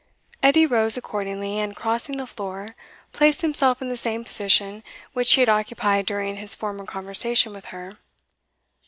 Edie rose accordingly, and, crossing the floor, placed himself in the same position which he had occupied during his former conversation with her.